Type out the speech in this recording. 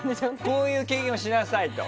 こういう経験をしなさいと。